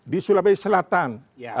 di sulawesi selatan